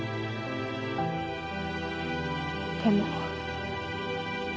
でも。